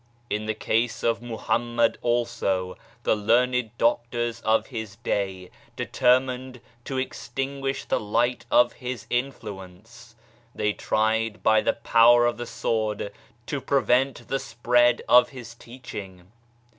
In the case of Mohammed also, the learned doctors of his day determined to extinguish the light of his influence. They tried by the power of the sword to prevent the spread of his teaching.